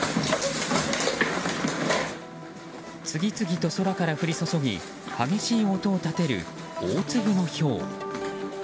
次々と空から降り注ぎ激しい音を立てる大粒のひょう。